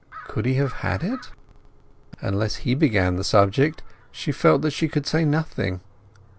Could he have had it? Unless he began the subject she felt that she could say nothing.